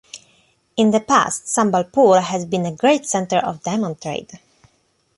In the past Sambalpur has been a great centre of diamond trade.